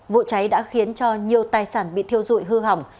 vụ cháy đã khiến cho nhiều tài sản bị thiêu dụi hư hỏng